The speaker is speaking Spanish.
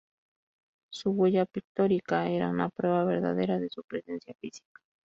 Su huella pictórica era una prueba verdadera de su presencia física.